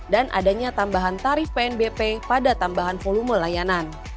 dan adanya tambahan tarif pnbp pada tambahan volume layanan